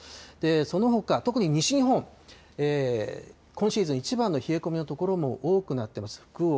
そのほか、特に西日本、今シーズン一番の冷え込みの所も多くなってます。